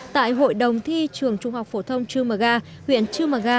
tại hội đồng thi trường trung học phổ thông chư mà ga huyện chư mà ga